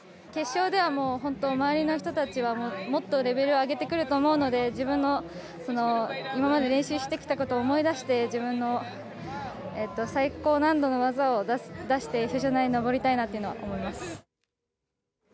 決勝では本当前の人たちはもっとレベルを上げてくると思うので自分の今まで練習してきたこと思い出して自分の最高難度の技を出して表彰台のぼりたいなと思います。